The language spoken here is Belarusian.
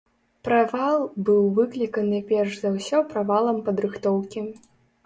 Правал быў выкліканы перш за ўсё правалам падрыхтоўкі.